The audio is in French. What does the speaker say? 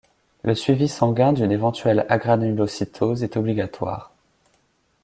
Le suivi sanguin d'une éventuelle agranulocytose est obligatoire.